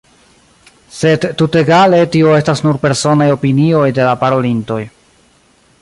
Sed tutegale tio estas nur personaj opinioj de la parolintoj.